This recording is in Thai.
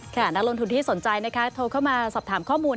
นักลงทุนที่สนใจนะคะโทรเข้ามาสอบถามข้อมูล